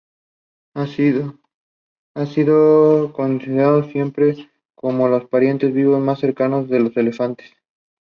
Blanco said that "they were all perfect songs".